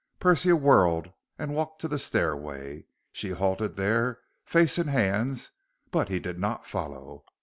Persia whirled and walked to the stairway. She halted there, face in hands; but he did not follow.